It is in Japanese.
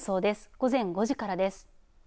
午前５時からです。